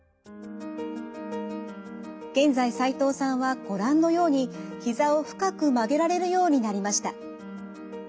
現在齋藤さんはご覧のようにひざを深く曲げられるようになりました。